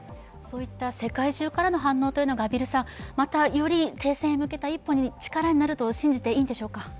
そういった世界中からの反応が、また、より停戦に向けた力になると信じていいんでしょうか？